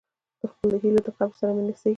د خپلو هیلو د قبر سره مې ونڅیږم.